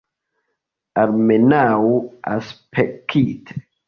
Almenaŭ aspekte.